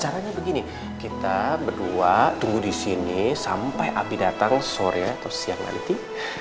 caranya begini kita berdua tunggu di sini sampai abi datang sore atau siang nanti